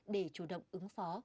để chủ động ứng phó